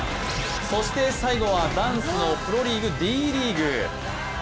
そして、最後はダンスのプロリーグＤリーグ。